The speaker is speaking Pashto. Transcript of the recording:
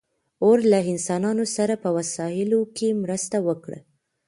اور له انسانانو سره په وسایلو کې مرسته وکړه.